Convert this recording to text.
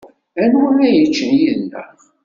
Anwa ara yeččen yid-neɣ?